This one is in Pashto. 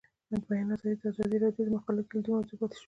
د بیان آزادي د ازادي راډیو د مقالو کلیدي موضوع پاتې شوی.